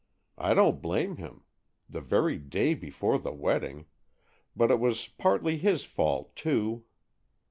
I don't blame him,—the very day before the wedding,—but it was partly his fault, too.